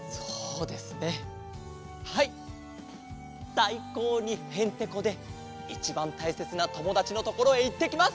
さいこうにヘンテコでいちばんたいせつなともだちのところへいってきます。